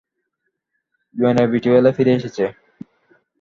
Inevitable ফিরে এসেছে!